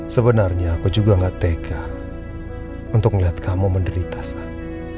sebenarnya aku sangat tak tegas untuk melihat kamu menderita sayang